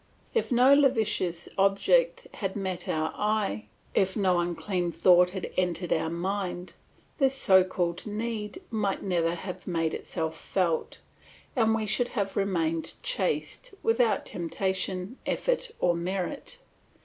If no lascivious object had met our eye, if no unclean thought had entered our mind, this so called need might never have made itself felt, and we should have remained chaste, without temptation, effort, or merit.